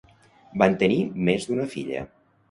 Van tenir més d'una filla.